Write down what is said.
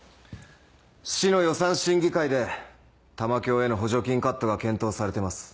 市の予算審議会で玉響への補助金カットが検討されてます。